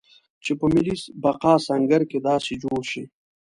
چې په ملي بقا سنګر کې داسې جوړ شي.